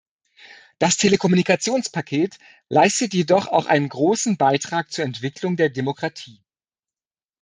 Das Telekommunikationspaket leistet jedoch auch einen großen Beitrag zur Entwicklung der Demokratie.